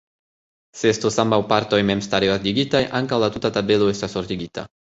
Se estos ambaŭ partoj memstare ordigitaj, ankaŭ la tuta tabelo estas ordigita.